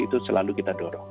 itu selalu kita dorong